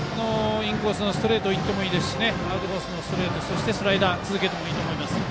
インコースのストレートをいってもいいですしアウトコースのストレートそしてスライダー続けてもいいと思います。